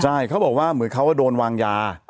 ใช่เขาบอกว่าเหมือนเขาโดนวางยา